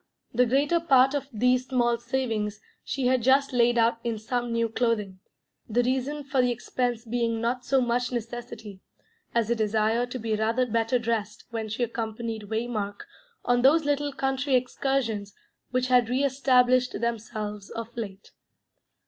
The greater part of these small savings she had just laid out in some new clothing, the reason for the expense being not so much necessity, as a desire to be rather better dressed when she accompanied Waymark on those little country excursions which had reestablished themselves of late.